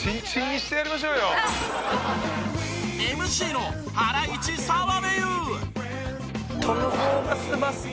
ＭＣのハライチ澤部佑。